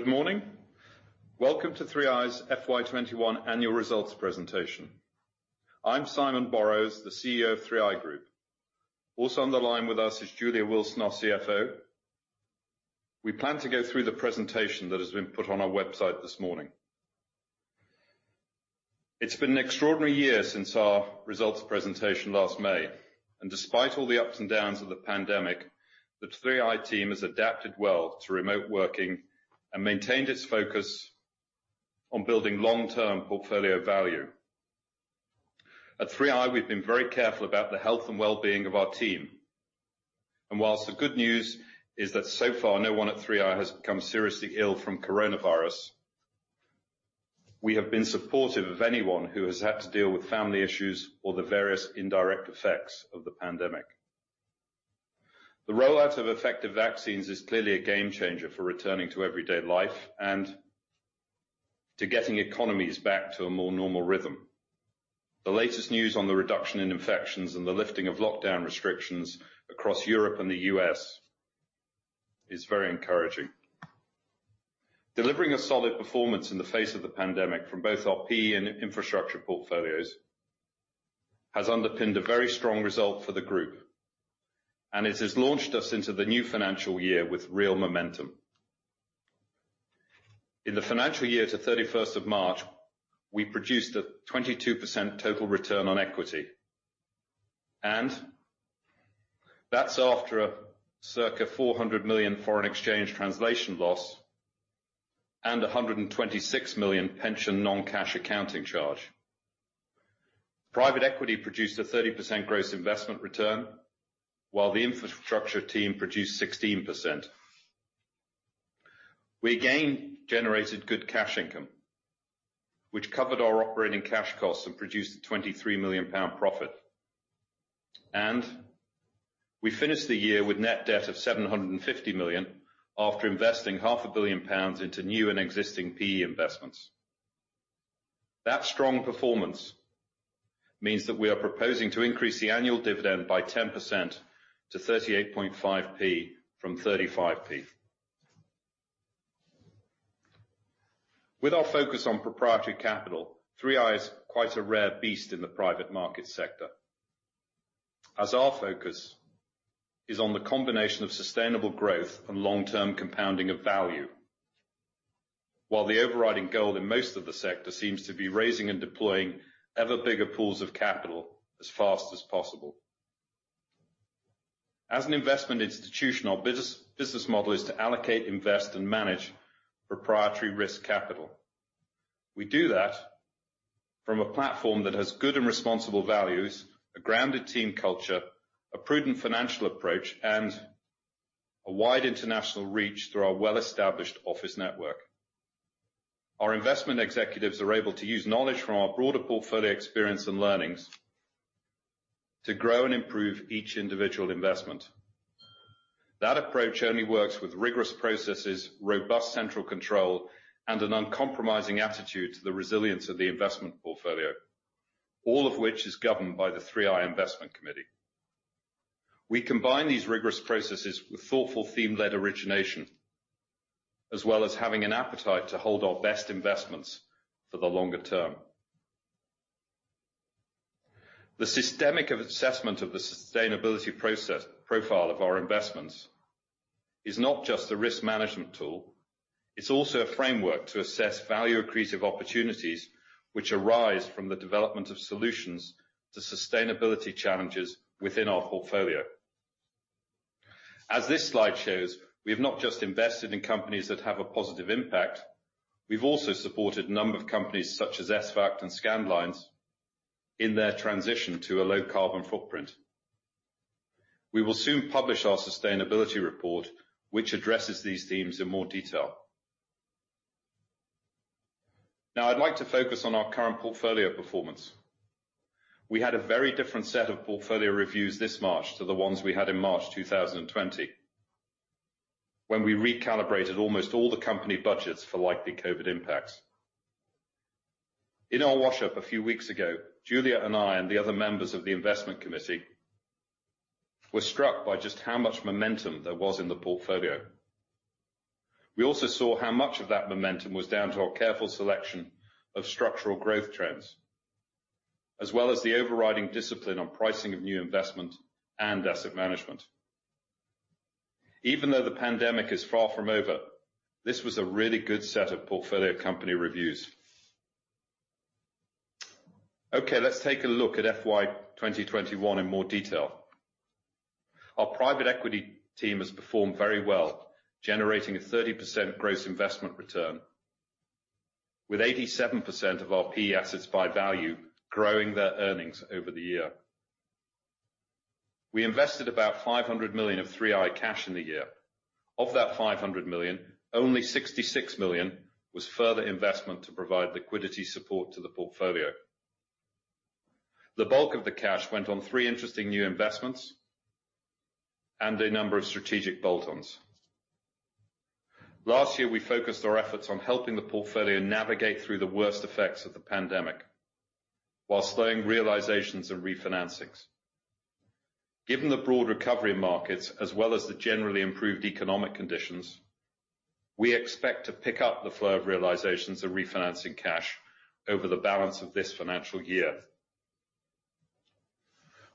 Good morning. Welcome to 3i's FY 2021 annual results presentation. I'm Simon Borrows, the CEO of 3i Group. Also on the line with us is Julia Wilson, our CFO. We plan to go through the presentation that has been put on our website this morning. It's been an extraordinary year since our results presentation last May, and despite all the ups and downs of the pandemic, the 3i team has adapted well to remote working and maintained its focus on building long-term portfolio value. At 3i, we've been very careful about the health and wellbeing of our team. Whilst the good news is that so far no one at 3i has become seriously ill from coronavirus, we have been supportive of anyone who has had to deal with family issues or the various indirect effects of the pandemic. The rollout of effective vaccines is clearly a game changer for returning to everyday life and to getting economies back to a more normal rhythm. The latest news on the reduction in infections and the lifting of lockdown restrictions across Europe and the U.S. is very encouraging. Delivering a solid performance in the face of the pandemic from both our PE and infrastructure portfolios has underpinned a very strong result for the Group, and it has launched us into the new financial year with real momentum. In the financial year to 31st of March, we produced a 22% total return on equity, and that's after a circa 400 million foreign exchange translation loss and 126 million pension non-cash accounting charge. Private equity produced a 30% gross investment return, while the infrastructure team produced 16%. We again generated good cash income, which covered our operating cash costs and produced a GBP 23 million profit. We finished the year with net debt of GBP 750 million after investing half a billion pounds into new and existing PE investments. That strong performance means that we are proposing to increase the annual dividend by 10% to 0.385 from 0.35. With our focus on proprietary capital, 3i is quite a rare beast in the private market sector, as our focus is on the combination of sustainable growth and long-term compounding of value. While the overriding goal in most of the sector seems to be raising and deploying ever bigger pools of capital as fast as possible. As an investment institution, our business model is to allocate, invest, and manage proprietary risk capital. We do that from a platform that has good and responsible values, a grounded team culture, a prudent financial approach, and a wide international reach through our well-established office network. Our investment executives are able to use knowledge from our broader portfolio experience and learnings to grow and improve each individual investment. That approach only works with rigorous processes, robust central control, and an uncompromising attitude to the resilience of the investment portfolio. All of which is governed by the 3i Investment Committee. We combine these rigorous processes with thoughtful theme-led origination, as well as having an appetite to hold our best investments for the longer term. The systemic assessment of the sustainability profile of our investments is not just a risk management tool. It's also a framework to assess value accretive opportunities which arise from the development of solutions to sustainability challenges within our portfolio. As this slide shows, we have not just invested in companies that have a positive impact. We've also supported a number of companies such as AESSEAL and Scandlines in their transition to a low carbon footprint. We will soon publish our sustainability report, which addresses these themes in more detail. I'd like to focus on our current portfolio performance. We had a very different set of portfolio reviews this March to the ones we had in March 2020, when we recalibrated almost all the company budgets for likely COVID impacts. In our wash-up a few weeks ago, Julia and I and the other members of the investment committee were struck by just how much momentum there was in the portfolio. We also saw how much of that momentum was down to our careful selection of structural growth trends, as well as the overriding discipline on pricing of new investment and asset management. Even though the pandemic is far from over, this was a really good set of portfolio company reviews. Okay, let's take a look at FY 2021 in more detail. Our private equity team has performed very well, generating a 30% gross investment return with 87% of our PE assets by value growing their earnings over the year. We invested about 500 million of 3i cash in the year. Of that 500 million, only 66 million was further investment to provide liquidity support to the portfolio. The bulk of the cash went on three interesting new investments and a number of strategic bolt-ons. Last year, we focused our efforts on helping the portfolio navigate through the worst effects of the pandemic, while slowing realizations and refinancings. Given the broad recovery markets, as well as the generally improved economic conditions, we expect to pick up the flow of realizations of refinancing cash over the balance of this financial year.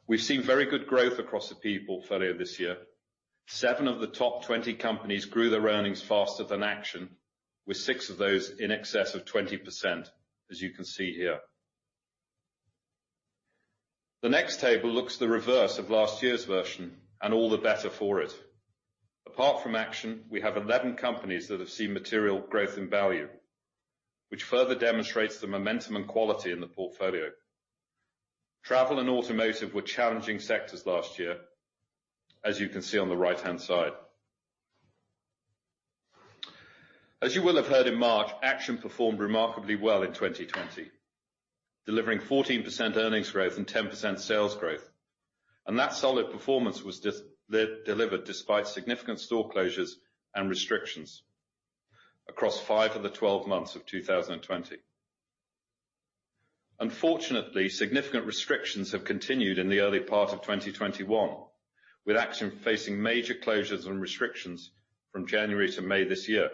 We've seen very good growth across the 3i portfolio this year. Seven of the top 20 companies grew their earnings faster than Action, with six of those in excess of 20%, as you can see here. The next table looks the reverse of last year's version, and all the better for it. Apart from Action, we have 11 companies that have seen material growth in value, which further demonstrates the momentum and quality in the portfolio. Travel and automotive were challenging sectors last year, as you can see on the right-hand side. As you will have heard, in March, Action performed remarkably well in 2020, delivering 14% earnings growth and 10% sales growth. That solid performance was delivered despite significant store closures and restrictions across five of the 12 months of 2020. Unfortunately, significant restrictions have continued in the early part of 2021, with Action facing major closures and restrictions from January to May this year.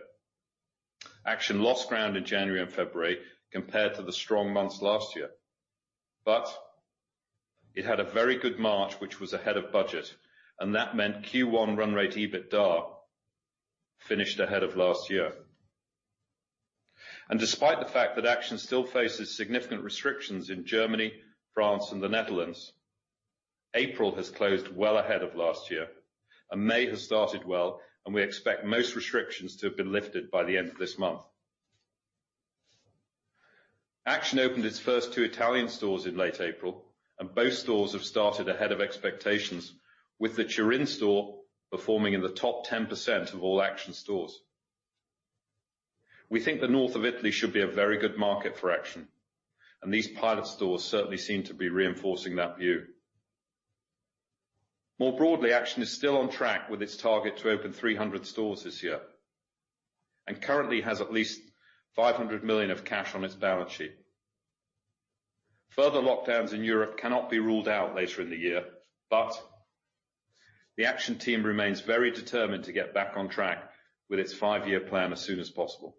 Action lost ground in January and February compared to the strong months last year. It had a very good March, which was ahead of budget, and that meant Q1 run rate EBITDA finished ahead of last year. Despite the fact that Action still faces significant restrictions in Germany, France, and the Netherlands, April has closed well ahead of last year, and May has started well, and we expect most restrictions to have been lifted by the end of this month. Action opened its first two Italian stores in late April, and both stores have started ahead of expectations with the Turin store performing in the top 10% of all Action stores. We think the north of Italy should be a very good market for Action, and these pilot stores certainly seem to be reinforcing that view. More broadly, Action is still on track with its target to open 300 stores this year, and currently has at least 500 million of cash on its balance sheet. Further lockdowns in Europe cannot be ruled out later in the year, but the Action team remains very determined to get back on track with its five-year plan as soon as possible.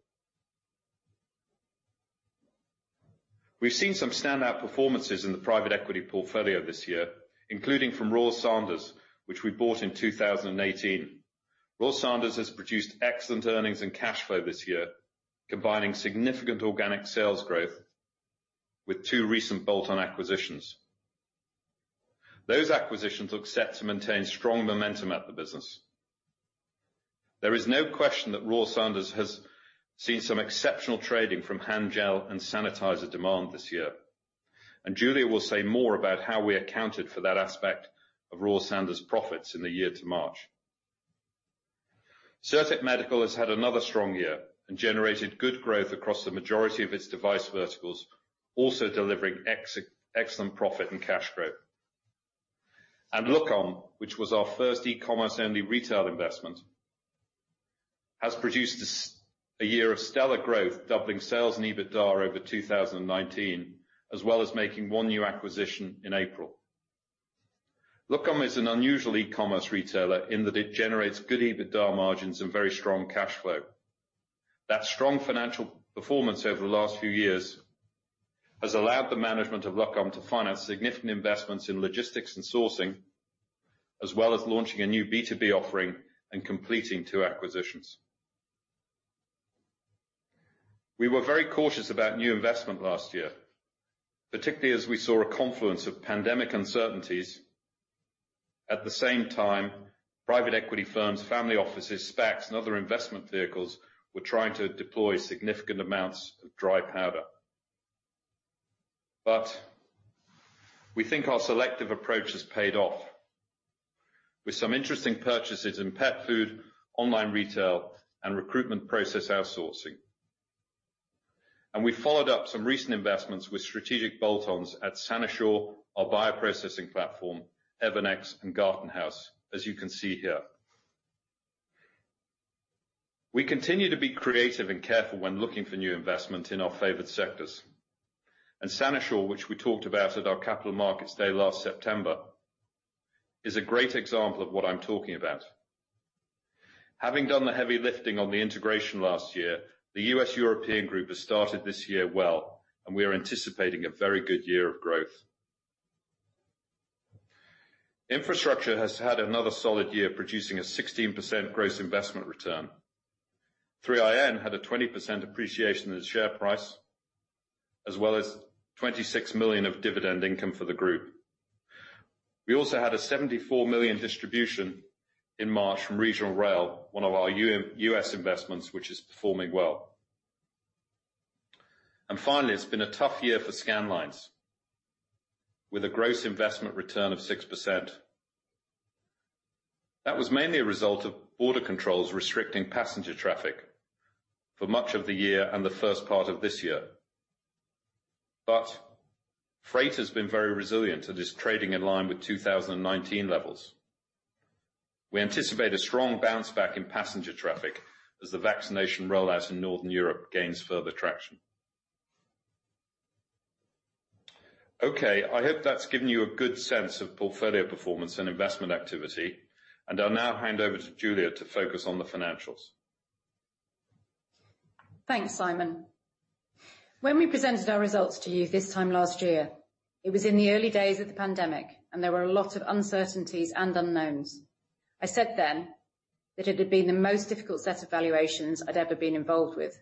We've seen some standout performances in the private equity portfolio this year, including from Royal Sanders, which we bought in 2018. Royal Sanders has produced excellent earnings and cash flow this year, combining significant organic sales growth with two recent bolt-on acquisitions. Those acquisitions look set to maintain strong momentum at the business. There is no question that Royal Sanders has seen some exceptional trading from hand gel and sanitizer demand this year. Julia will say more about how we accounted for that aspect of Royal Sanders profits in the year to March. Cirtec Medical has had another strong year and generated good growth across the majority of its device verticals, also delivering excellent profit and cash growth. Luqom, which was our first e-commerce-only retail investment, has produced a year of stellar growth, doubling sales and EBITDA over 2019, as well as making one new acquisition in April. Luqom is an unusual e-commerce retailer in that it generates good EBITDA margins and very strong cash flow. That strong financial performance over the last few years has allowed the management of Luqom to finance significant investments in logistics and sourcing, as well as launching a new B2B offering and completing two acquisitions. We were very cautious about new investment last year, particularly as we saw a confluence of pandemic uncertainties. At the same time, private equity firms, family offices, SPACs, and other investment vehicles were trying to deploy significant amounts of dry powder. We think our selective approach has paid off with some interesting purchases in pet food, online retail, and recruitment process outsourcing. We followed up some recent investments with strategic bolt-ons at SaniSure, our bioprocessing platform, Evernex, and GartenHaus, as you can see here. We continue to be creative and careful when looking for new investment in our favored sectors. SaniSure, which we talked about at our Capital Markets Day last September, is a great example of what I'm talking about. Having done the heavy lifting on the integration last year, the U.S.-European group has started this year well, and we are anticipating a very good year of growth. Infrastructure has had another solid year, producing a 16% gross investment return. 3IN had a 20% appreciation in its share price, as well as 26 million of dividend income for the group. We also had a 74 million distribution in March from Regional Rail, one of our U.S. investments, which is performing well. Finally, it's been a tough year for Scandlines with a gross investment return of 6%. That was mainly a result of border controls restricting passenger traffic for much of the year and the first part of this year. Freight has been very resilient and is trading in line with 2019 levels. We anticipate a strong bounce back in passenger traffic as the vaccination rollout in Northern Europe gains further traction. Okay. I hope that's given you a good sense of portfolio performance and investment activity, and I'll now hand over to Julia to focus on the financials. Thanks, Simon. When we presented our results to you this time last year, it was in the early days of the pandemic, and there were a lot of uncertainties and unknowns. I said then that it had been the most difficult set of valuations I'd ever been involved with.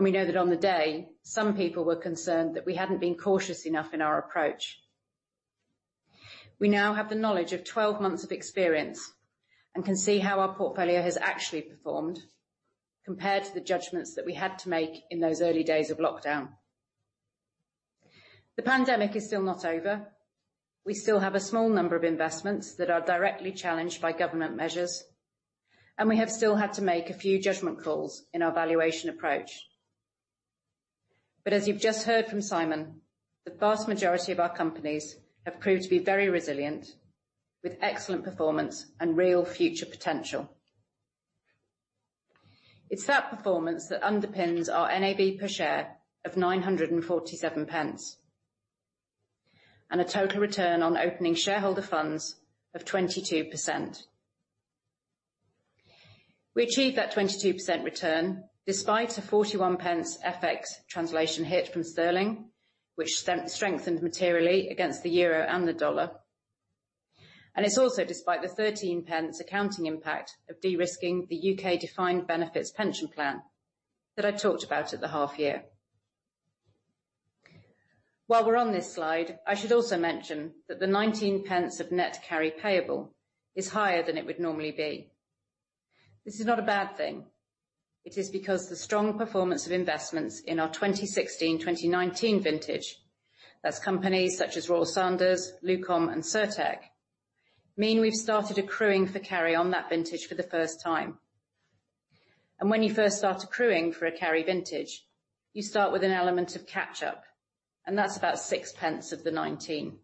We know that on the day, some people were concerned that we hadn't been cautious enough in our approach. We now have the knowledge of 12 months of experience and can see how our portfolio has actually performed compared to the judgments that we had to make in those early days of lockdown. The pandemic is still not over. We still have a small number of investments that are directly challenged by government measures, and we have still had to make a few judgment calls in our valuation approach. As you've just heard from Simon, the vast majority of our companies have proved to be very resilient, with excellent performance and real future potential. It's that performance that underpins our NAV per share of 9.47, and a total return on opening shareholder funds of 22%. We achieved that 22% return despite a 0.41 FX translation hit from GBP, which strengthened materially against the EUR and the USD. It's also despite the 0.13 accounting impact of de-risking the U.K. defined benefits pension plan that I talked about at the half year. While we're on this slide, I should also mention that the 0.19 of net carry payable is higher than it would normally be. This is not a bad thing. It is because the strong performance of investments in our 2016/2019 vintage, that's companies such as Royal Sanders, Luqom, and Cirtec, mean we've started accruing for carry on that vintage for the first time. When you first start accruing for a carry vintage, you start with an element of catch-up, and that's about 0.06 of the 0.19.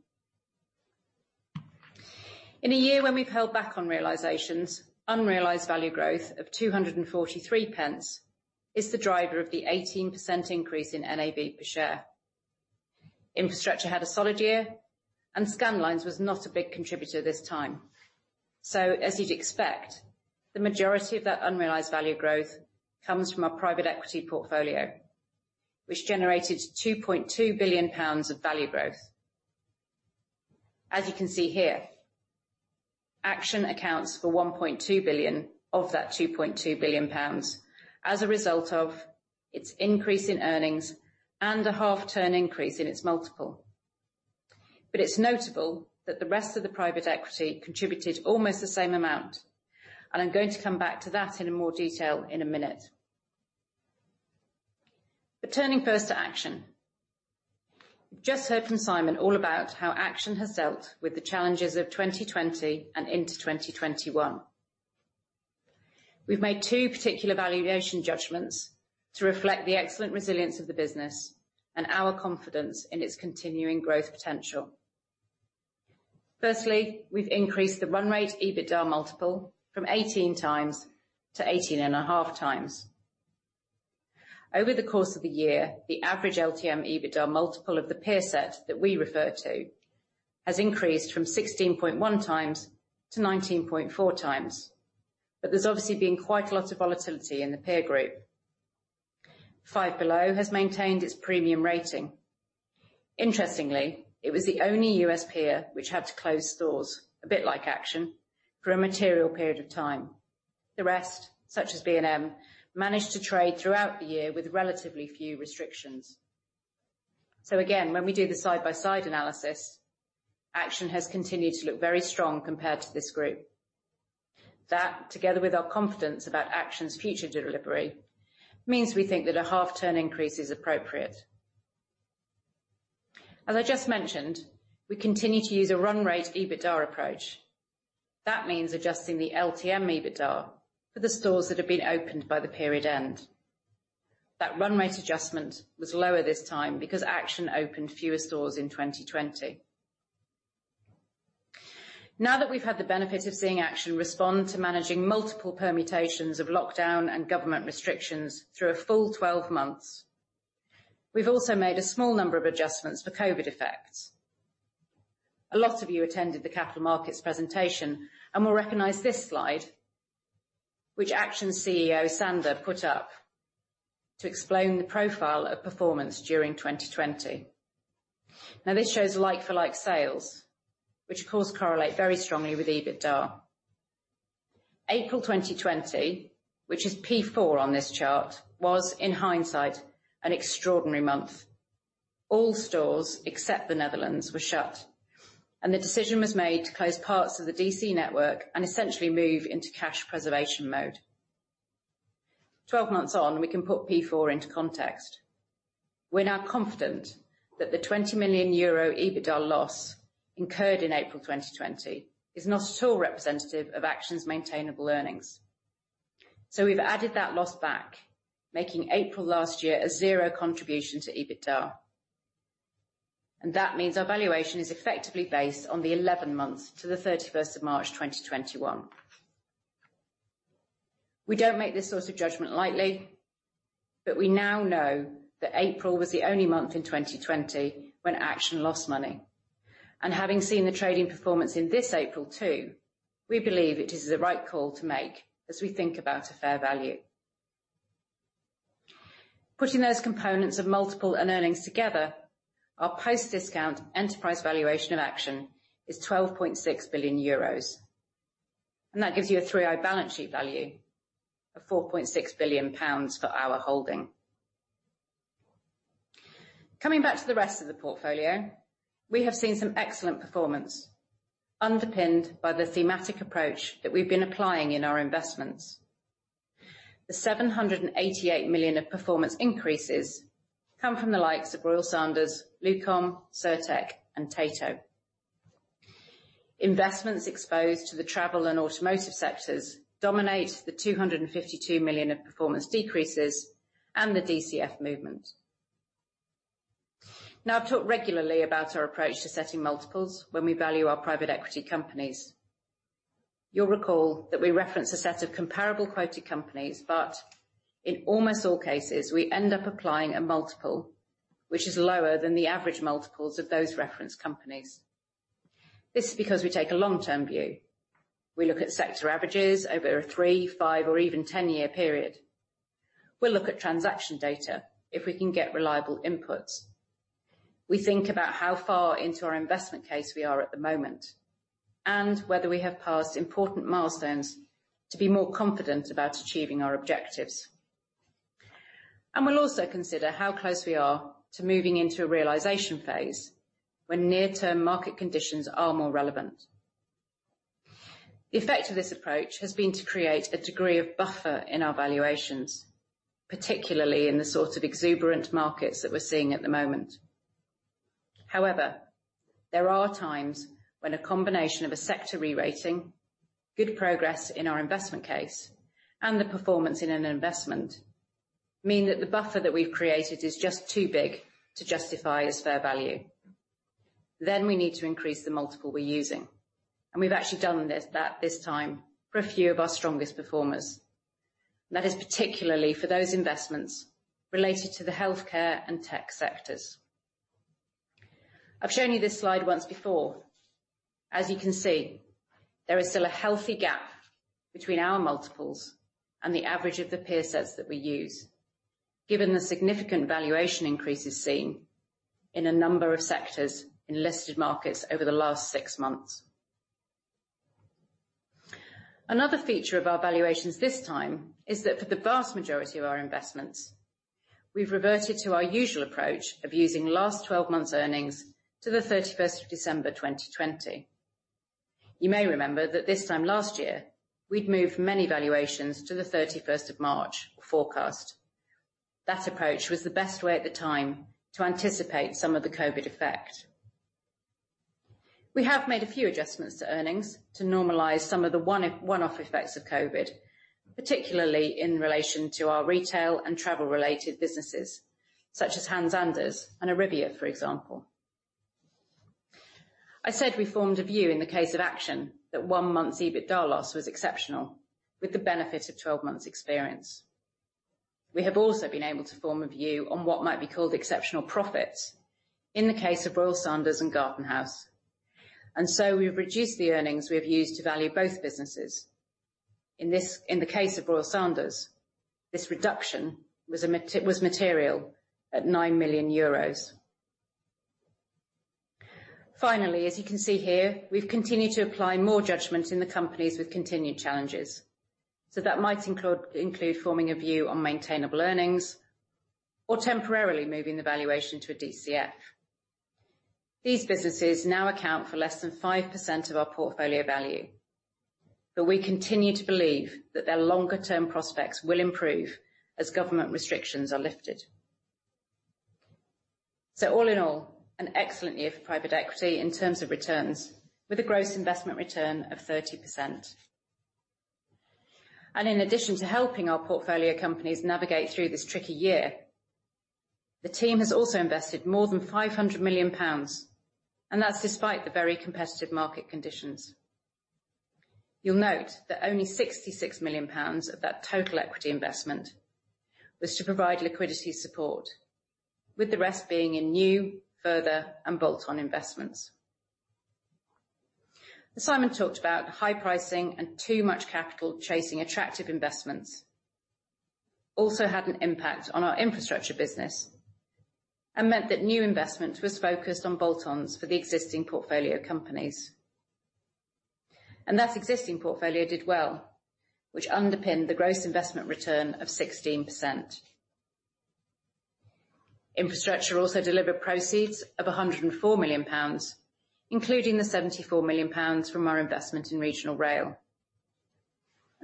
In a year when we've held back on realizations, unrealized value growth of 2.43 is the driver of the 18% increase in NAV per share. Infrastructure had a solid year, Scandlines was not a big contributor this time. As you'd expect, the majority of that unrealized value growth comes from our private equity portfolio, which generated 2.2 billion pounds of value growth. As you can see here, Action accounts for 1.2 billion of that 2.2 billion pounds as a result of its increase in earnings and a half-turn increase in its multiple. It's notable that the rest of the private equity contributed almost the same amount. I'm going to come back to that in more detail in a minute. Turning first to Action. You just heard from Simon all about how Action has dealt with the challenges of 2020 and into 2021. We've made two particular valuation judgments to reflect the excellent resilience of the business and our confidence in its continuing growth potential. Firstly, we've increased the run rate EBITDA multiple from 18 times to 18 and a half times. Over the course of the year, the average LTM EBITDA multiple of the peer set that we refer to has increased from 16.1 times to 19.4 times. There's obviously been quite a lot of volatility in the peer group. Five Below has maintained its premium rating. Interestingly, it was the only U.S. peer which had to close stores, a bit like Action, for a material period of time. The rest, such as B&M, managed to trade throughout the year with relatively few restrictions. Again, when we do the side-by-side analysis, Action has continued to look very strong compared to this group. That, together with our confidence about Action's future delivery, means we think that a half-turn increase is appropriate. As I just mentioned, we continue to use a run rate EBITDA approach. That means adjusting the LTM EBITDA for the stores that have been opened by the period end. That run rate adjustment was lower this time because Action opened fewer stores in 2020. Now that we've had the benefit of seeing Action respond to managing multiple permutations of lockdown and government restrictions through a full 12 months, we've also made a small number of adjustments for COVID effects. A lot of you attended the capital markets presentation and will recognize this slide, which Action CEO Sander put up to explain the profile of performance during 2020. This shows like-for-like sales, which of course correlate very strongly with EBITDA. April 2020, which is P4 on this chart, was, in hindsight, an extraordinary month. All stores except the Netherlands were shut, the decision was made to close parts of the DC network and essentially move into cash preservation mode. 12 months on, we can put P4 into context. We're now confident that the 20 million euro EBITDA loss incurred in April 2020 is not at all representative of Action's maintainable earnings. We've added that loss back, making April last year a zero contribution to EBITDA. That means our valuation is effectively based on the 11 months to the 31st of March 2021. We don't make this sort of judgment lightly, but we now know that April was the only month in 2020 when Action lost money. Having seen the trading performance in this April too, we believe it is the right call to make as we think about a fair value. Putting those components of multiple and earnings together, our post-discount enterprise valuation of Action is 12.6 billion euros. That gives you a 3i balance sheet value of 4.6 billion pounds for our holding. Coming back to the rest of the portfolio, we have seen some excellent performance underpinned by the thematic approach that we've been applying in our investments. The 788 million of performance increases come from the likes of Royal Sanders, Luqom, Cirtec and Tato. Investments exposed to the travel and automotive sectors dominate the 252 million of performance decreases and the DCF movement. Now, I've talked regularly about our approach to setting multiples when we value our private equity companies. You'll recall that we reference a set of comparable quoted companies, but in almost all cases, we end up applying a multiple, which is lower than the average multiples of those reference companies. This is because we take a long-term view. We look at sector averages over a three, five, or even 10-year period. We'll look at transaction data if we can get reliable inputs. We think about how far into our investment case we are at the moment, and whether we have passed important milestones to be more confident about achieving our objectives. We'll also consider how close we are to moving into a realization phase when near-term market conditions are more relevant. The effect of this approach has been to create a degree of buffer in our valuations, particularly in the sort of exuberant markets that we're seeing at the moment. However, there are times when a combination of a sector re-rating, good progress in our investment case, and the performance in an investment, mean that the buffer that we've created is just too big to justify as fair value. We need to increase the multiple we're using. We've actually done that this time for a few of our strongest performers. That is particularly for those investments related to the healthcare and tech sectors. I've shown you this slide once before. As you can see, there is still a healthy gap between our multiples and the average of the peer sets that we use, given the significant valuation increases seen in a number of sectors in listed markets over the last six months. Another feature of our valuations this time is that for the vast majority of our investments, we've reverted to our usual approach of using last 12 months' earnings to the 31st of December 2020. You may remember that this time last year, we'd moved many valuations to the 31st of March forecast. That approach was the best way at the time to anticipate some of the COVID effect. We have made a few adjustments to earnings to normalize some of the one-off effects of COVID, particularly in relation to our retail and travel-related businesses, such as Hans Anders and Arrivia, for example. I said we formed a view in the case of Action that one month's EBITDA loss was exceptional with the benefit of 12 months' experience. We have also been able to form a view on what might be called exceptional profits in the case of Royal Sanders and GartenHaus. We've reduced the earnings we have used to value both businesses. In the case of Royal Sanders, this reduction was material at EUR 9 million. Finally, as you can see here, we've continued to apply more judgment in the companies with continued challenges. That might include forming a view on maintainable earnings or temporarily moving the valuation to a DCF. These businesses now account for less than 5% of our portfolio value. We continue to believe that their longer-term prospects will improve as government restrictions are lifted. All in all, an excellent year for private equity in terms of returns, with a gross investment return of 30%. In addition to helping our portfolio companies navigate through this tricky year, the team has also invested more than 500 million pounds, and that is despite the very competitive market conditions. You will note that only 66 million pounds of that total equity investment was to provide liquidity support, with the rest being in new, further, and bolt-on investments. Simon talked about high pricing and too much capital chasing attractive investments also had an impact on our infrastructure business and meant that new investment was focused on bolt-ons for the existing portfolio companies. That existing portfolio did well, which underpinned the gross investment return of 16%. Infrastructure also delivered proceeds of 104 million pounds, including the 74 million pounds from our investment in Regional Rail.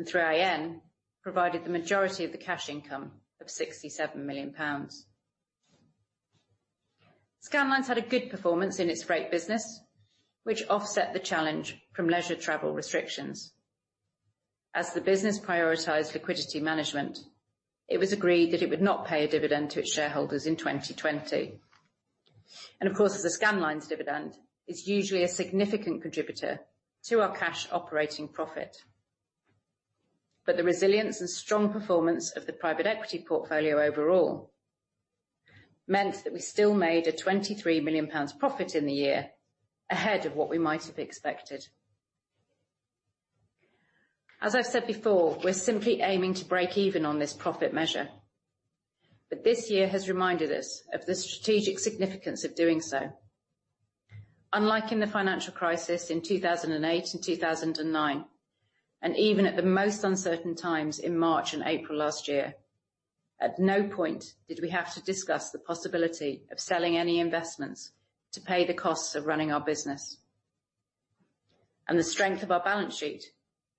3IN provided the majority of the cash income of 67 million pounds. Scandlines had a good performance in its freight business, which offset the challenge from leisure travel restrictions. As the business prioritized liquidity management, it was agreed that it would not pay a dividend to its shareholders in 2020. Of course, as a Scandlines dividend, it's usually a significant contributor to our cash operating profit. The resilience and strong performance of the private equity portfolio overall meant that we still made a 23 million pounds profit in the year ahead of what we might have expected. As I've said before, we're simply aiming to break even on this profit measure. This year has reminded us of the strategic significance of doing so. Unlike in the financial crisis in 2008 and 2009, and even at the most uncertain times in March and April last year, at no point did we have to discuss the possibility of selling any investments to pay the costs of running our business. The strength of our balance sheet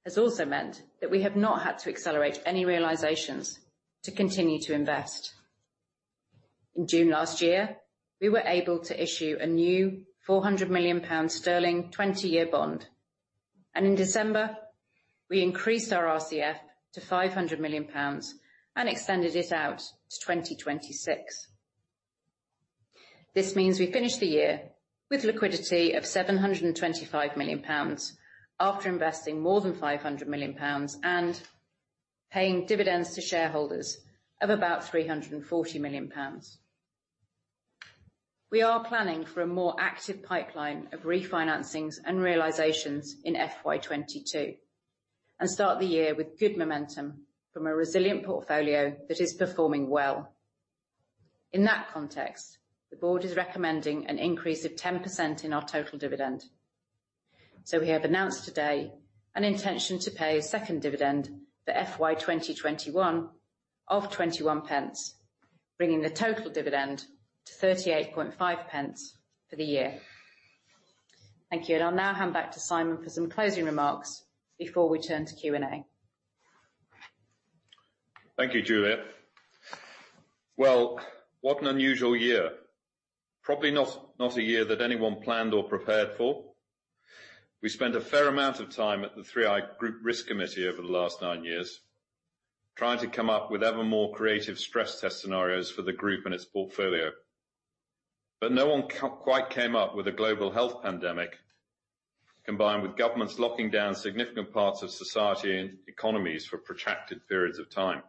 has also meant that we have not had to accelerate any realizations to continue to invest. In June last year, we were able to issue a new 400 million sterling 20-year bond, and in December, we increased our RCF to 500 million pounds and extended it out to 2026. This means we finish the year with liquidity of 725 million pounds after investing more than 500 million pounds and paying dividends to shareholders of about 340 million pounds. We are planning for a more active pipeline of refinancings and realizations in FY22, start the year with good momentum from a resilient portfolio that is performing well. In that context, the board is recommending an increase of 10% in our total dividend. We have announced today an intention to pay a second dividend for FY 2021 of 0.21, bringing the total dividend to 0.385 for the year. Thank you. I'll now hand back to Simon for some closing remarks before we turn to Q&A. Thank you, Julia. Well, what an unusual year. Probably not a year that anyone planned or prepared for. We spent a fair amount of time at the 3i Group Risk Committee over the last nine years, trying to come up with ever more creative stress test scenarios for the group and its portfolio. No one quite came up with a global health pandemic, combined with governments locking down significant parts of society and economies for protracted periods of time.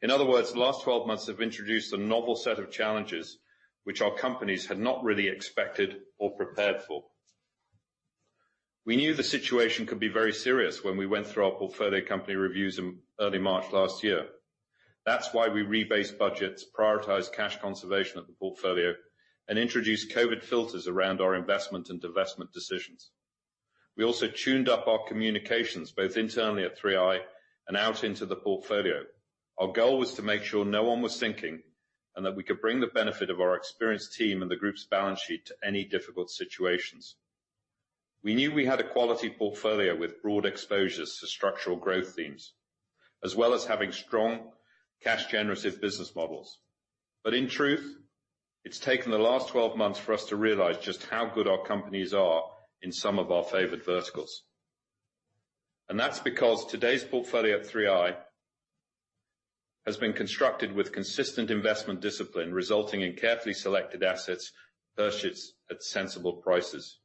In other words, the last 12 months have introduced a novel set of challenges which our companies had not really expected or prepared for. We knew the situation could be very serious when we went through our portfolio company reviews in early March last year. That's why we rebased budgets, prioritized cash conservation of the portfolio, and introduced COVID filters around our investment and divestment decisions. We also tuned up our communications, both internally at 3i and out into the portfolio. Our goal was to make sure no one was sinking and that we could bring the benefit of our experienced team and the group's balance sheet to any difficult situations. We knew we had a quality portfolio with broad exposures to structural growth themes, as well as having strong cash-generative business models. In truth, it's taken the last 12 months for us to realize just how good our companies are in some of our favored verticals. That's because today's portfolio at 3i has been constructed with consistent investment discipline, resulting in carefully selected assets purchased at sensible prices.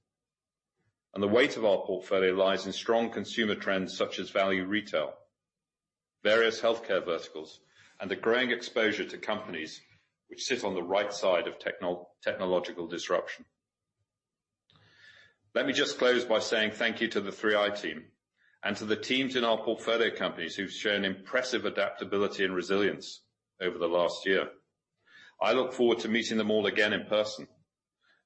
The weight of our portfolio lies in strong consumer trends such as value retail, various healthcare verticals, and a growing exposure to companies which sit on the right side of technological disruption. Let me just close by saying thank you to the 3i team and to the teams in our portfolio companies who've shown impressive adaptability and resilience over the last year. I look forward to meeting them all again in person,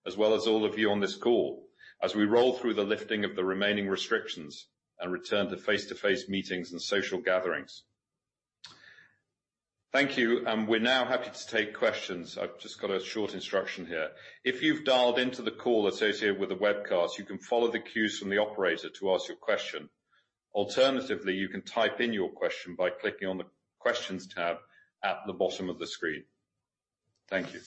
as well as all of you on this call, as we roll through the lifting of the remaining restrictions and return to face-to-face meetings and social gatherings. Thank you. We're now happy to take questions. I've just got a short instruction here. If you've dialed into the call associated with the webcast, you can follow the cues from the operator to ask your question. Alternatively, you can type in your question by clicking on the Questions tab at the bottom of the screen. Thank you.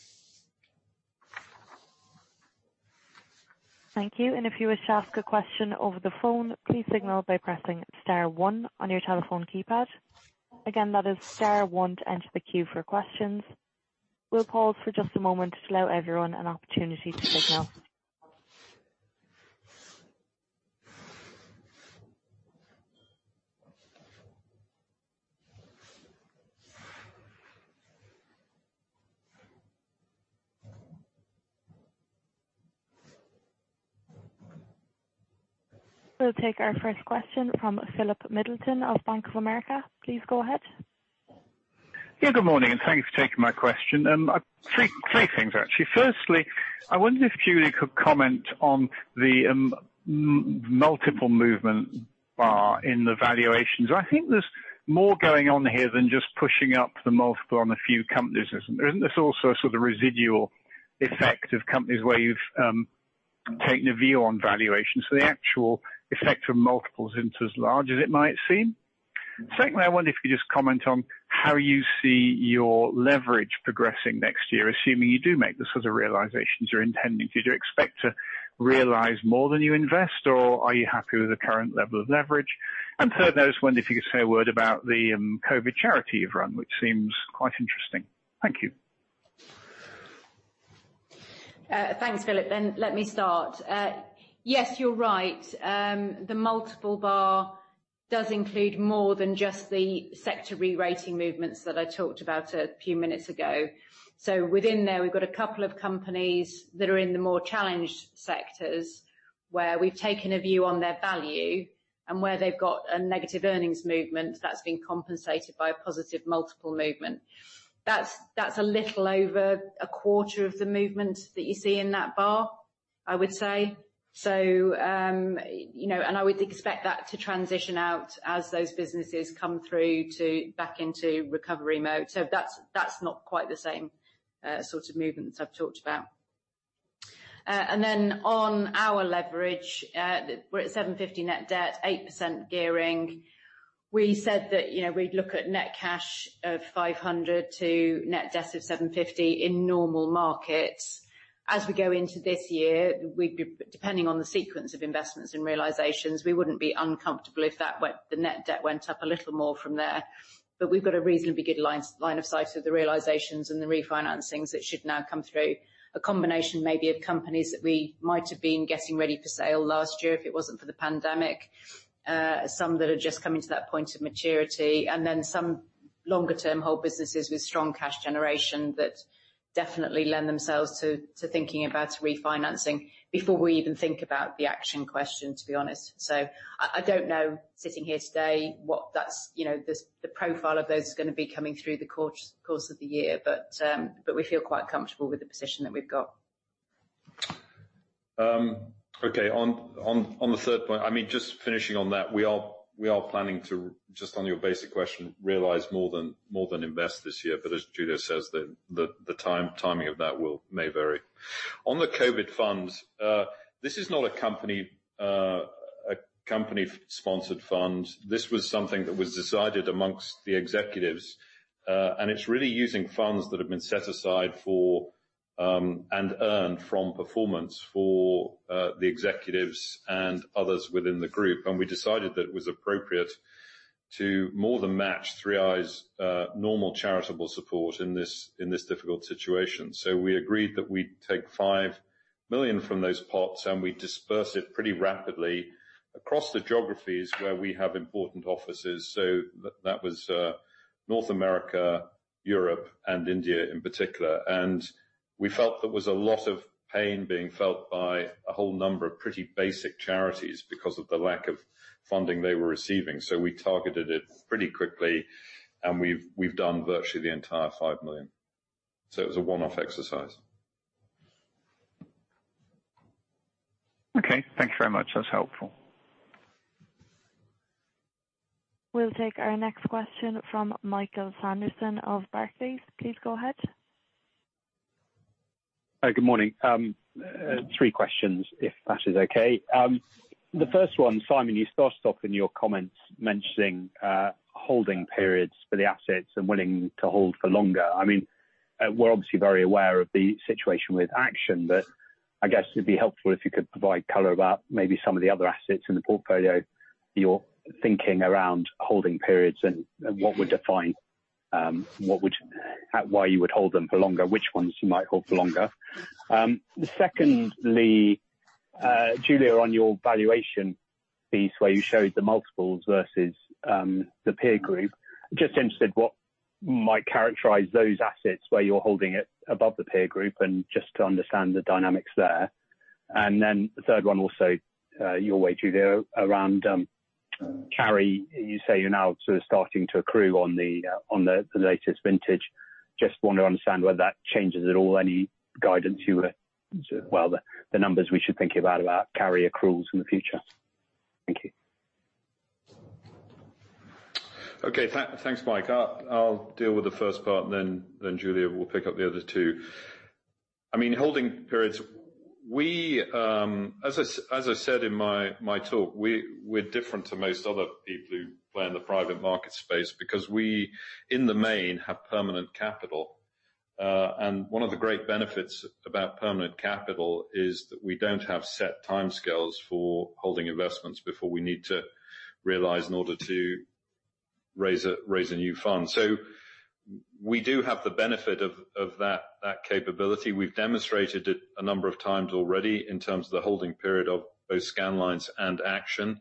Thank you. If you wish to ask a question over the phone, please signal by pressing star one on your telephone keypad. Again, that is star one to enter the queue for questions. We'll pause for just a moment to allow everyone an opportunity to signal. We'll take our first question from Philip Middleton of Bank of America. Please go ahead. Good morning, and thanks for taking my question. Three things, actually. Firstly, I wonder if Julia could comment on the multiple movement bar in the valuations. I think there's more going on here than just pushing up the multiple on a few companies, isn't there? Isn't this also a sort of residual effect of companies where you've taken a view on valuation, so the actual effect of multiple isn't as large as it might seem? Secondly, I wonder if you could just comment on how you see your leverage progressing next year, assuming you do make the sort of realizations you're intending to. Do you expect to realize more than you invest, or are you happy with the current level of leverage? Thirdly, I was wondering if you could say a word about the COVID charity you've run, which seems quite interesting. Thank you. Thanks, Philip. Let me start. Yes, you're right. The multiple bar does include more than just the sector rerating movements that I talked about a few minutes ago. Within there, we've got a couple of companies that are in the more challenged sectors, where we've taken a view on their value, and where they've got a negative earnings movement that's been compensated by a positive multiple movement. That's a little over a quarter of the movement that you see in that bar, I would say. I would expect that to transition out as those businesses come through to back into recovery mode. That's not quite the same sort of movements I've talked about. On our leverage, we're at 750 net debt, 8% gearing. We said that we'd look at net cash of 500 to net debt of 750 in normal markets. As we go into this year, depending on the sequence of investments and realizations, we wouldn't be uncomfortable if the net debt went up a little more from there, but we've got a reasonably good line of sight of the realizations and the refinancings that should now come through. A combination maybe of companies that we might have been getting ready for sale last year if it wasn't for the pandemic. Some that are just coming to that point of maturity, and then some longer term hold businesses with strong cash generation that definitely lend themselves to thinking about refinancing before we even think about the Action question, to be honest. I don't know, sitting here today, the profile of those that are going to be coming through the course of the year. We feel quite comfortable with the position that we've got. Okay, on the third point, just finishing on that, we are planning to, just on your basic question, realize more than invest this year. As Julia says, the timing of that may vary. On the COVID fund, this is not a company-sponsored fund. This was something that was decided amongst the executives. It's really using funds that have been set aside for, and earned from performance for, the executives and others within the group. We decided that it was appropriate to more than match 3i's normal charitable support in this difficult situation. We agreed that we'd take 5 million from those pots, and we'd disperse it pretty rapidly across the geographies where we have important offices. That was North America, Europe, and India in particular. We felt there was a lot of pain being felt by a whole number of pretty basic charities because of the lack of funding they were receiving. We targeted it pretty quickly, and we've done virtually the entire 5 million. It was a one-off exercise. Okay. Thank you very much. That's helpful. We'll take our next question from Michael Sanderson of Barclays. Please go ahead. Good morning. Three questions, if that is okay. The first one, Simon, you started off in your comments mentioning holding periods for the assets and willing to hold for longer. We're obviously very aware of the situation with Action, I guess it'd be helpful if you could provide color about maybe some of the other assets in the portfolio, your thinking around holding periods, and what would define why you would hold them for longer, which ones you might hold for longer. Secondly, Julia, on your valuation piece where you showed the multiples versus the peer group, just interested what might characterize those assets where you're holding it above the peer group and just to understand the dynamics there. The third one also, your way, Julia, around carry. You say you're now sort of starting to accrue on the latest vintage. Just want to understand whether that changes at all, any guidance well, the numbers we should think about carry accruals in the future. Thank you. Okay. Thanks, Michael. I'll deal with the first part, then Julia will pick up the other two. Holding periods. As I said in my talk, we're different to most other people who play in the private market space because we, in the main, have permanent capital. One of the great benefits about permanent capital is that we don't have set timescales for holding investments before we need to realize in order to raise a new fund. We do have the benefit of that capability. We've demonstrated it a number of times already in terms of the holding period of both Scandlines and Action.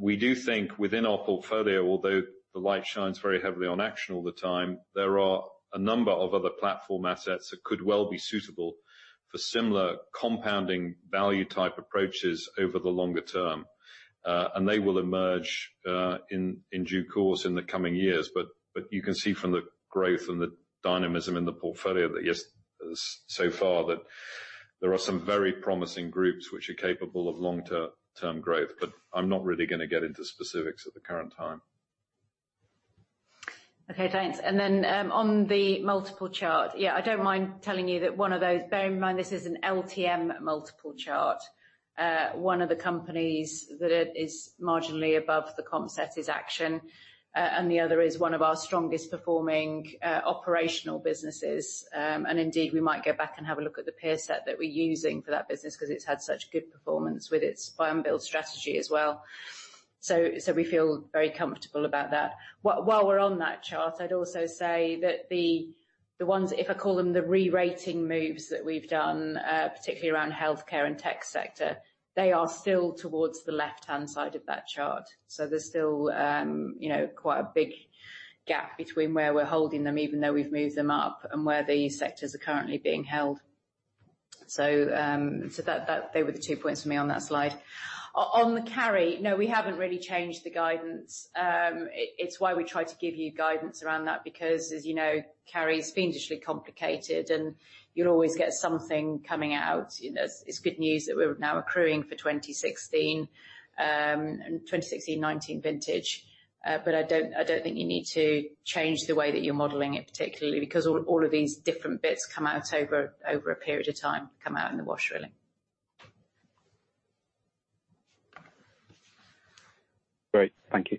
We do think within our portfolio, although the light shines very heavily on Action all the time, there are a number of other platform assets that could well be suitable for similar compounding value type approaches over the longer term. They will emerge, in due course in the coming years. You can see from the growth and the dynamism in the portfolio that, yes, so far there are some very promising groups which are capable of long-term growth, but I'm not really going to get into specifics at the current time. Okay, thanks. On the multiple chart. Yeah, I don't mind telling you that one of those, bearing in mind this is an LTM multiple chart. One of the companies that is marginally above the comp set is Action, and the other is one of our strongest performing operational businesses. Indeed, we might go back and have a look at the peer set that we're using for that business because it's had such good performance with its buy and build strategy as well. We feel very comfortable about that. We're on that chart, I'd also say that the ones, if I call them the re-rating moves that we've done, particularly around healthcare and tech sector, they are still towards the left-hand side of that chart. There's still quite a big gap between where we're holding them, even though we've moved them up, and where these sectors are currently being held. They were the two points for me on that slide. On the carry, no, we haven't really changed the guidance. It's why we try to give you guidance around that, because as you know, carry is fiendishly complicated, and you'll always get something coming out. It's good news that we're now accruing for 2016 and 2016, 2019 vintage. I don't think you need to change the way that you're modeling it, particularly because all of these different bits come out over a period of time, come out in the wash, really. Great. Thank you.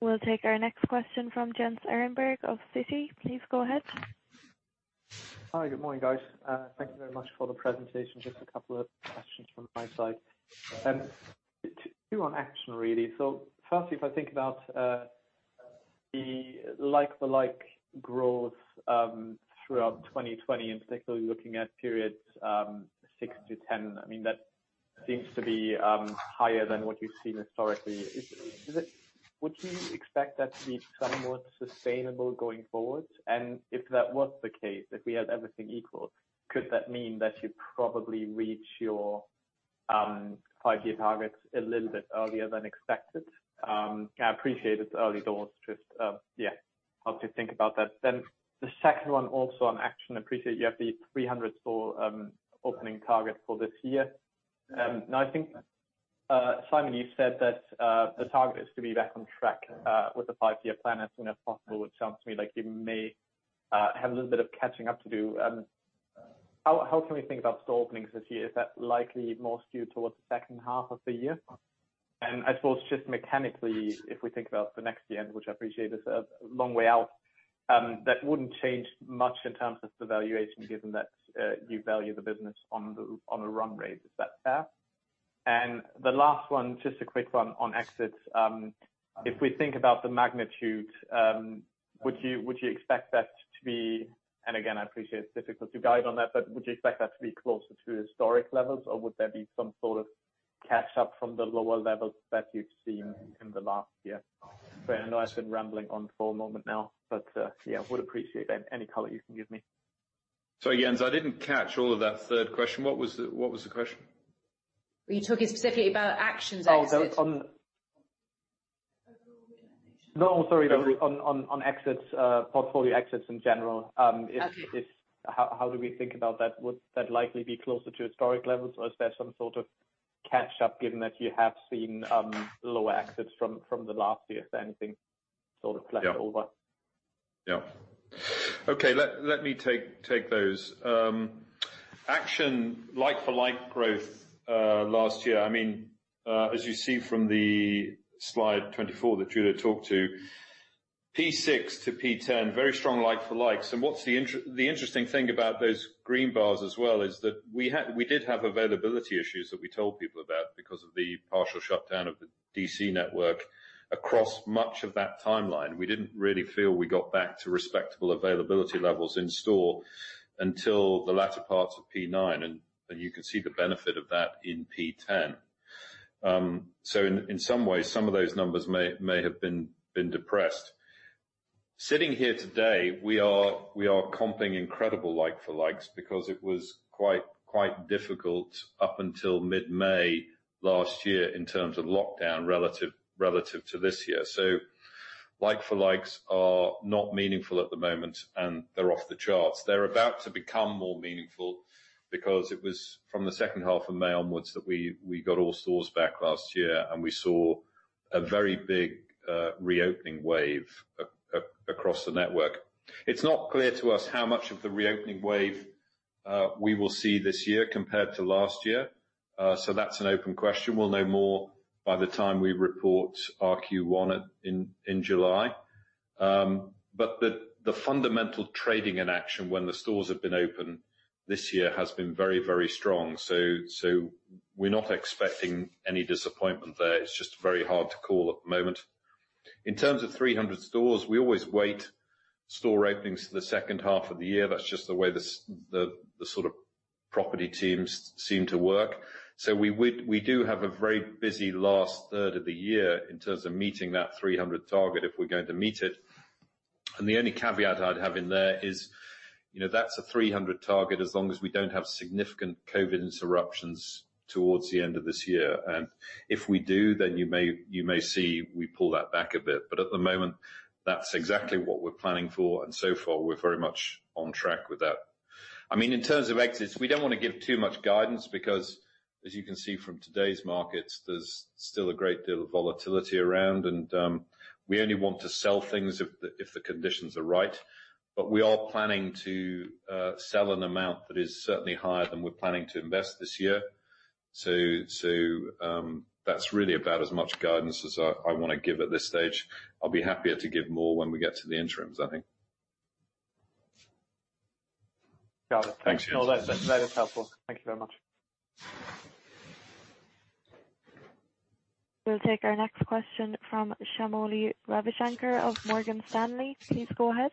We'll take our next question from Jens Ehrenberg of Citi. Please go ahead. Hi. Good morning, guys. Thank you very much for the presentation. Just a couple of questions from my side. Two on Action, really. Firstly, if I think about the like-for-like growth throughout 2020, and particularly looking at periods 6 to 10, that seems to be higher than what you've seen historically. Would you expect that to be somewhat sustainable going forward? If that was the case, if we had everything equal, could that mean that you probably reach your five-year targets a little bit earlier than expected? I appreciate it's early doors. Just how to think about that. The second one, also on Action. I appreciate you have the 300 store opening target for this year. I think, Simon, you said that the target is to be back on track with the five-year plan as soon as possible, which sounds to me like you may have a little bit of catching up to do. How can we think about store openings this year? Is that likely more skewed towards the second half of the year? I suppose just mechanically, if we think about the next year, which I appreciate is a long way out, that wouldn't change much in terms of the valuation, given that you value the business on the run rate. Is that fair? The last one, just a quick one on exits. If we think about the magnitude, would you expect that to be, and again, I appreciate it's difficult to guide on that, but would you expect that to be closer to historic levels, or would there be some sort of catch up from the lower levels that you've seen in the last year? I know I've been rambling on for a moment now, but I would appreciate any color you can give me. Sorry, Jens, I didn't catch all of that third question. What was the question? You're talking specifically about Action's exits. Oh, on- Overall organization. No, sorry. On exits, portfolio exits in general. Okay. How do we think about that? Would that likely be closer to historic levels, or is there some sort of catch up, given that you have seen lower exits from the last year? Yeah carried over. Yeah. Okay. Let me take those. Action, like-for-like growth last year, as you see from the slide 24 that Julia talked to, P6 to P10, very strong like for likes. What's the interesting thing about those green bars as well is that we did have availability issues that we told people about because of the partial shutdown of the D.C. network across much of that timeline. We didn't really feel we got back to respectable availability levels in store until the latter parts of P9, and you can see the benefit of that in P10. In some ways, some of those numbers may have been depressed. Sitting here today, we are comping incredible like for likes because it was quite difficult up until mid-May last year in terms of lockdown relative to this year. Like for likes are not meaningful at the moment, they're off the charts. They're about to become more meaningful because it was from the second half of May onwards that we got all stores back last year, we saw a very big reopening wave across the network. It's not clear to us how much of the reopening wave we will see this year compared to last year. That's an open question. We'll know more by the time we report our Q1 in July. The fundamental trading in Action when the stores have been open this year has been very strong. We're not expecting any disappointment there. It's just very hard to call at the moment. In terms of 300 stores, we always wait store openings for the second half of the year. That's just the way the sort of property teams seem to work. We do have a very busy last third of the year in terms of meeting that 300 target, if we're going to meet it. The only caveat I'd have in there is that's a 300 target as long as we don't have significant COVID interruptions towards the end of this year. If we do, then you may see we pull that back a bit. At the moment, that's exactly what we're planning for, and so far, we're very much on track with that. In terms of exits, we don't want to give too much guidance because. As you can see from today's markets, there's still a great deal of volatility around, and we only want to sell things if the conditions are right. We are planning to sell an amount that is certainly higher than we're planning to invest this year. That's really about as much guidance as I want to give at this stage. I'll be happier to give more when we get to the interims, I think. Got it. Thanks. No, that is helpful. Thank you very much. We'll take our next question from Shamoli Ravishanker of Morgan Stanley. Please go ahead.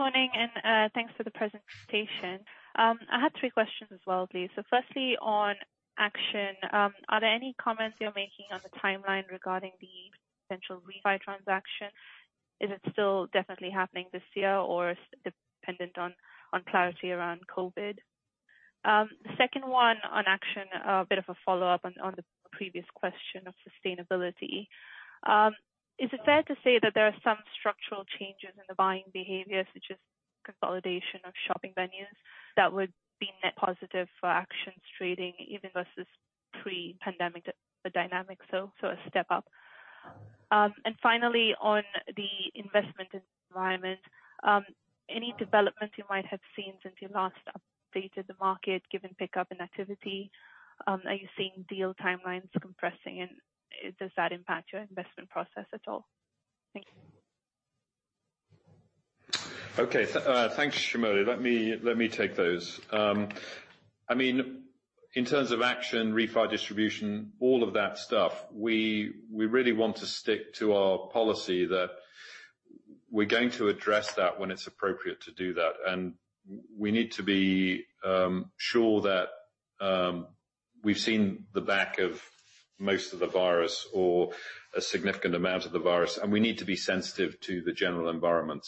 Morning, thanks for the presentation. I had three questions as well, please. Firstly, on Action. Are there any comments you're making on the timeline regarding the potential refi transaction? Is it still definitely happening this year or is it dependent on clarity around COVID? Second one, on Action, a bit of a follow-up on the previous question of sustainability. Is it fair to say that there are some structural changes in the buying behavior, such as consolidation of shopping venues, that would be net positive for Action's trading even versus pre-pandemic dynamics? A step up. Finally, on the investment environment. Any developments you might have seen since you last updated the market, given pickup in activity? Are you seeing deal timelines compressing, and does that impact your investment process at all? Thank you. Okay. Thanks, Shamoli. Let me take those. In terms of Action refi distribution, all of that stuff, we really want to stick to our policy that we're going to address that when it's appropriate to do that. We need to be sure that we've seen the back of most of the virus or a significant amount of the virus, and we need to be sensitive to the general environment.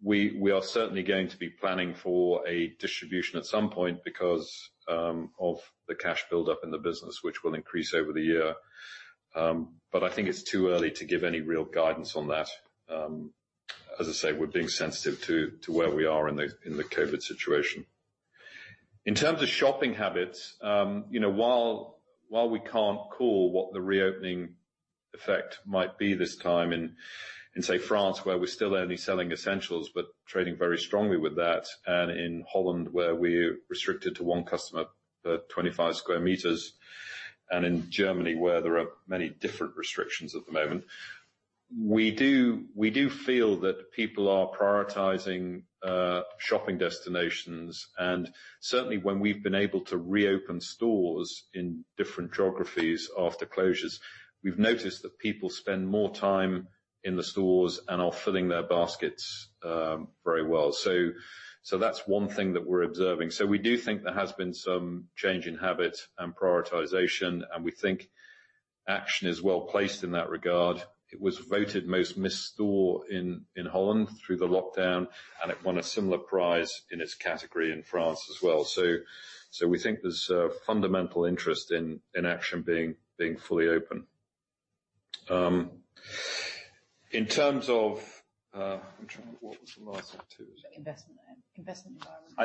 We are certainly going to be planning for a distribution at some point because of the cash buildup in the business, which will increase over the year. I think it's too early to give any real guidance on that. As I say, we're being sensitive to where we are in the COVID situation. In terms of shopping habits, while we can't call what the reopening effect might be this time in, say, France, where we're still only selling essentials, but trading very strongly with that, and in Holland, where we're restricted to one customer per 25 square meters, and in Germany, where there are many different restrictions at the moment, we do feel that people are prioritizing shopping destinations. Certainly, when we've been able to reopen stores in different geographies after closures, we've noticed that people spend more time in the stores and are filling their baskets very well. That's one thing that we're observing. We do think there has been some change in habit and prioritization, and we think Action is well-placed in that regard. It was voted most missed store in Holland through the lockdown, and it won a similar prize in its category in France as well. We think there's a fundamental interest in Action being fully open. What was the last one too? Investment environment. I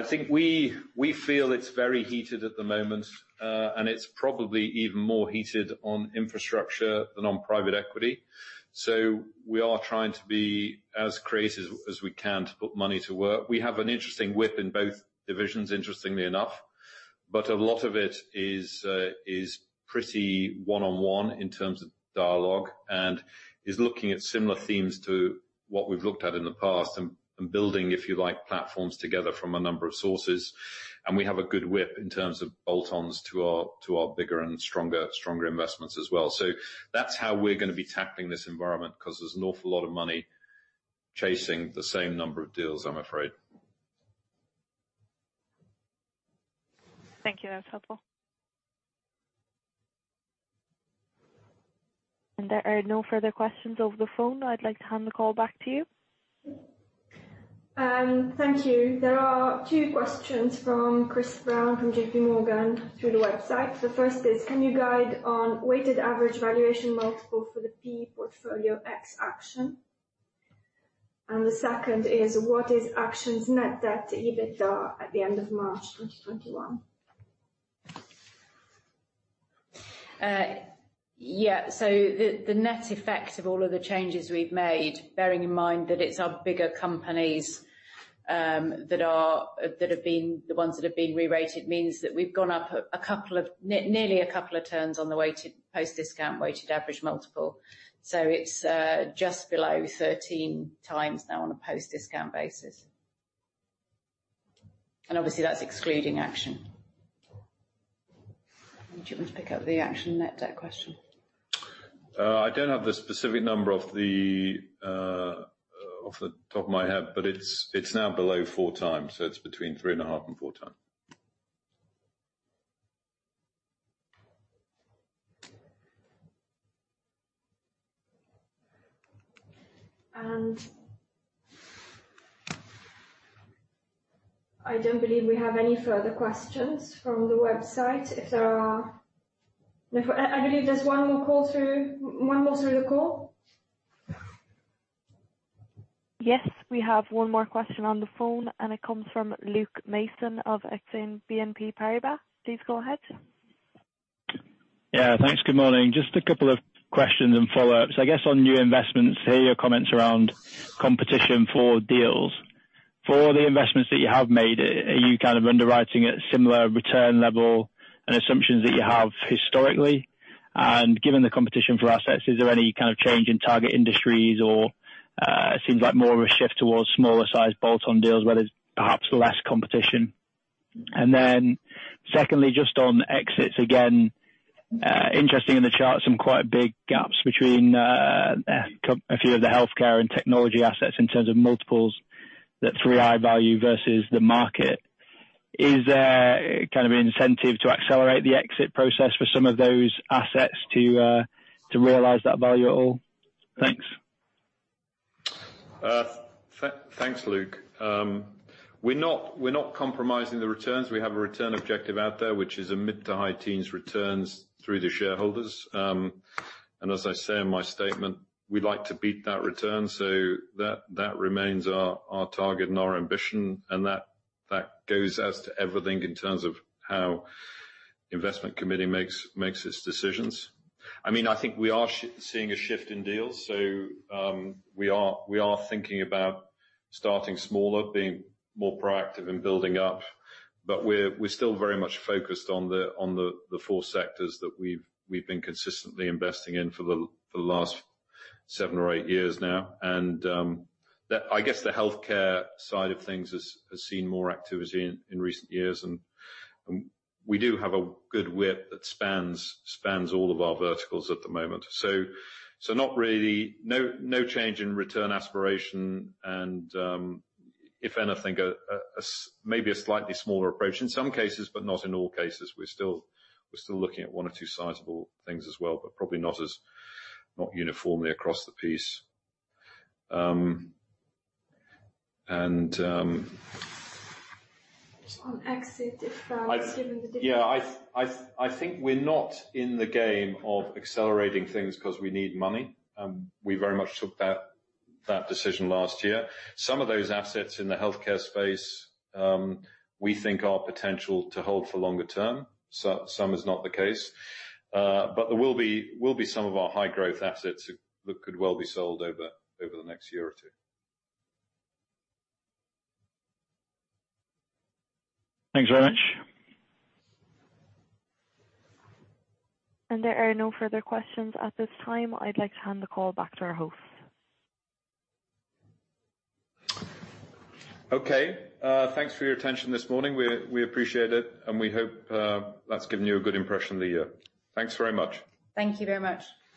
think we feel it's very heated at the moment, and it's probably even more heated on infrastructure than on private equity. We are trying to be as creative as we can to put money to work. We have an interesting WIP in both divisions, interestingly enough. A lot of it is pretty one-on-one in terms of dialogue and is looking at similar themes to what we've looked at in the past and building, if you like, platforms together from a number of sources. We have a good WIP in terms of add-ons to our bigger and stronger investments as well. That's how we're going to be tackling this environment because there's an awful lot of money chasing the same number of deals, I'm afraid. Thank you. That's helpful. There are no further questions over the phone. I'd like to hand the call back to you. Thank you. There are two questions from Christopher Brown from J.P. Morgan through the website. The first is, "Can you guide on weighted average valuation multiple for the PE portfolio ex Action?" The second is, "What is Action's net debt to EBITDA at the end of March 2021? Yeah. The net effect of all of the changes we've made, bearing in mind that it's our bigger companies that have been the ones that have been rerated, means that we've gone up nearly a couple of turns on the post-discount weighted average multiple. It's just below 13x now on a post-discount basis. Obviously, that's excluding Action. Do you want me to pick up the Action net debt question? I don't have the specific number off the top of my head, but it's now below four times. It's between three and a half and four times. I don't believe we have any further questions from the website. I believe there's one more through the call. Yes. We have one more question on the phone, and it comes from Luke Mason of Exane BNP Paribas. Please go ahead. Yeah, thanks. Good morning. Just a couple of questions and follow-ups. I guess on new investments, I hear your comments around competition for deals. For the investments that you have made, are you kind of underwriting at similar return level and assumptions that you have historically? Given the competition for assets, is there any kind of change in target industries or it seems like more of a shift towards smaller sized bolt-on deals where there's perhaps less competition. Secondly, just on exits again. Interesting in the chart, some quite big gaps between a few of the healthcare and technology assets in terms of multiples, net 3i value versus the market. Is there kind of an incentive to accelerate the exit process for some of those assets to realize that value at all? Thanks. Thanks, Luke. We're not compromising the returns. We have a return objective out there, which is a mid to high teens returns through the shareholders. As I say in my statement, we'd like to beat that return so that remains our target and our ambition, and that goes as to everything in terms of how investment committee makes its decisions. I think we are seeing a shift in deals. We are thinking about starting smaller, being more proactive in building up. We're still very much focused on the four sectors that we've been consistently investing in for the last seven or eight years now. I guess the healthcare side of things has seen more activity in recent years, and we do have a good WIP that spans all of our verticals at the moment. Not really. No change in return aspiration and if anything, maybe a slightly smaller approach in some cases, but not in all cases. We're still looking at one or two sizable things as well, but probably not uniformly across the piece. On exit, if given. Yeah. I think we are not in the game of accelerating things because we need money. We very much took that decision last year. Some of those assets in the healthcare space, we think are potential to hold for longer term. Some is not the case. There will be some of our high growth assets that could well be sold over the next year or two. Thanks very much. There are no further questions at this time. I'd like to hand the call back to our host. Okay. Thanks for your attention this morning. We appreciate it, and we hope that's given you a good impression of the year. Thanks very much. Thank you very much.